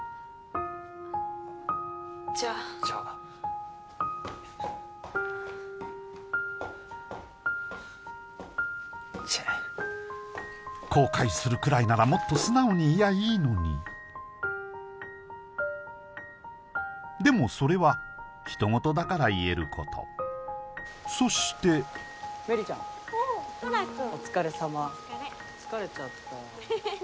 じゃあじゃあちぇっ後悔するくらいならもっと素直に言やいいのにでもそれはひとごとだから言えることそして芽李ちゃんおお虎君お疲れさまお疲れ疲れちゃったよ